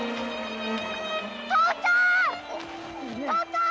父ちゃん！